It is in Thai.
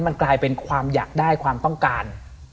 มันกลายเป็นความอยากได้ความต้องการ